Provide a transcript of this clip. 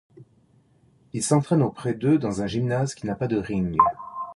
Il s'entraîne auprès de dans un gymnase qui n'a pas de ring.